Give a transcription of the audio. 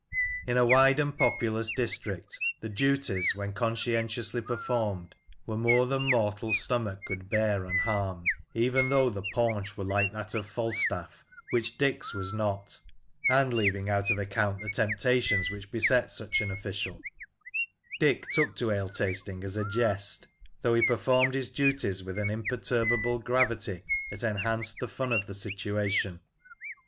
In a wide and populous district the duties, when consci entiously performed, were more than mortal stomach could bear unharmed, even though the paunch were like that of Falstaff, which Dick's was not, and leaving out of account the temptations which beset such an official Dick took to ale tasting as a jest, though he performed his duties with an imperturbable gravity that enhanced the fun of the situation.